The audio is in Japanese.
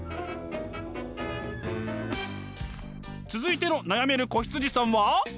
続いての悩める子羊さんは？